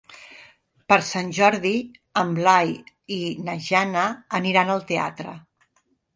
Per Sant Jordi en Blai i na Jana aniran al teatre.